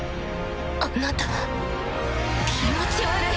あなた気持ち悪い。